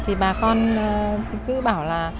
thì bà con cứ bảo là